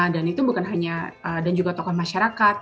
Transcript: dan itu bukan hanya dan juga tokoh masyarakat